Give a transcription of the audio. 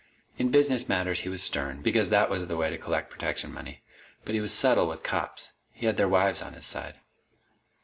In business matters he was stern, because that was the way to collect protection money. But he was subtle with cops. He had their wives on his side.